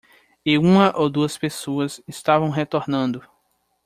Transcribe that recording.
E uma ou duas pessoas estavam retornando.